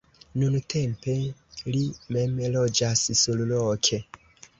Nuntempe li mem loĝas surloke.